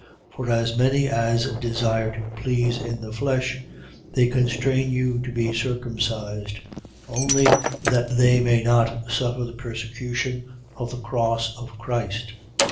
6:12. For as many as desire to please in the flesh, they constrain you to be circumcised, only that they may not suffer the persecution of the cross of Christ.